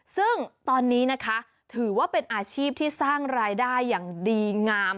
ซึ่งตอนนี้นะคะถือว่าเป็นอาชีพที่สร้างรายได้อย่างดีงาม